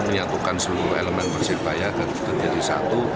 menyatukan seluruh elemen persebaya dan terjadi satu